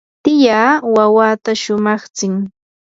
tiyaa wawata shumaqtsin.